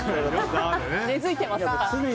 根付いてますね。